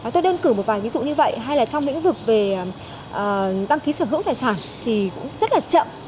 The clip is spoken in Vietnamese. tôi đơn cử một vài ví dụ như vậy hay là trong lĩnh vực về đăng ký sở hữu tài sản thì cũng rất là chậm